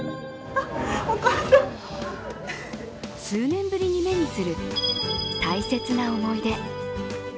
数年ぶりに目にする大切な思い出。